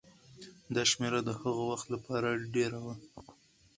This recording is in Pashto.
دا شمېره د هغه وخت لپاره ډېره وه.